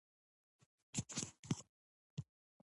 که ژوند کې درې شیان له لاسه ورکړل سخت دي.